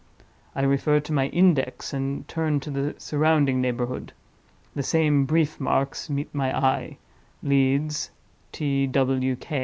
I refer to my Index, and turn to the surrounding neighborhood. The same brief marks meet my eye. 'Leeds.